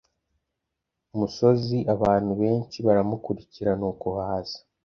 musozi abantu benshi baramukurikira nuko haza